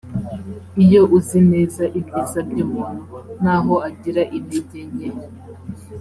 iyo uzi neza ibyiza by umuntu n aho agira intege nke